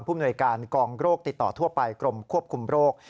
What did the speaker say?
มนวยการกองโรคติดต่อทั่วไปกรมควบคุมโรค